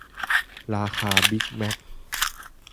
ราคาบิกแมค